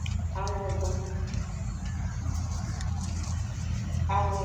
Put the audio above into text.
Angogban.